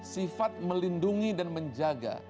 sifat melindungi dan menjaga